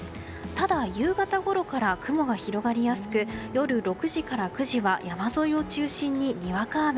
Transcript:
ただ、夕方ごろから雲が広がりやすく夜６時から９時は山沿いを中心ににわか雨。